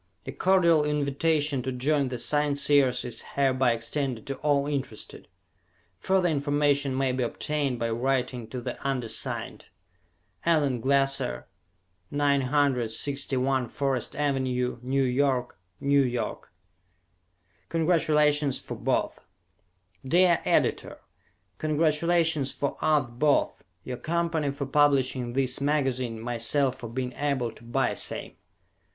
A cordial invitation to join the Scienceers is hereby extended to all interested. Further information may be obtained by writing to the undersigned. Allen Glasser, 961 Forest Avenue, New York, N. Y. "Congratulations for Both" Dear Editor: Congratulations for us both. Your company for publishing this magazine, myself for being able to buy same.